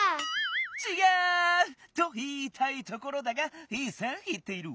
ちがう！といいたいところだがいいせんいっている。